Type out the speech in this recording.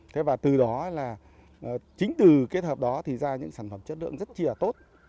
thế và từ đó là chính từ kết hợp đó thì ra những sản phẩm chất lượng rất chìa tốt